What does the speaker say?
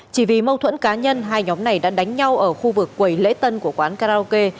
chỉ vì mâu thuẫn cá nhân hai nhóm này đã đánh nhau ở khu vực quầy lễ tân của quán karaoke